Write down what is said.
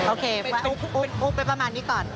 โอเคหูบเป็นประมาณนี้ก่อน